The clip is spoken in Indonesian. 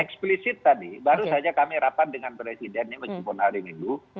saya eksplisit tadi baru saja kami rapat dengan presidennya menjemput hari minggu